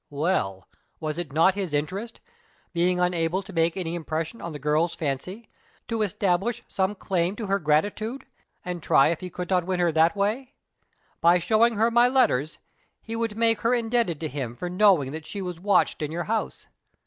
"Well! Was it not his interest, being unable to make any impression on the girl's fancy, to establish some claim to her gratitude; and try if he could not win her that way? By showing her my letters, he would make her indebted to him for knowing that she was watched in your house.